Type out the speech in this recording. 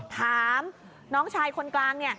ถามน้องชายคนกลางเนี่ย